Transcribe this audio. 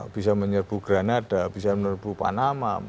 bisa menyerbu granada bisa menerbu panama